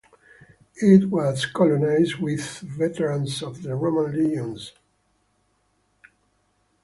It was colonized with veterans of the Roman legions.